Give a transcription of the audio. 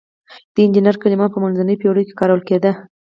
د انجینر کلمه په منځنیو پیړیو کې کارول کیده.